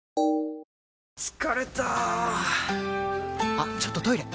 あっちょっとトイレ！